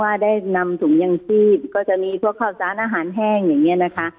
ว่าได้นำถุงยังชีพก็จะมีพวกข้าวสารอาหารแห้งอย่างนี้นะคะ